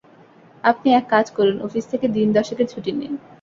আপনি এক কাজ করুন-অফিস থেকে দিন দশেকের ছুটি নিন।